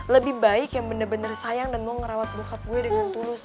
lebih baik yang bener bener sayang dan mau ngerawat bokap gue dengan tulus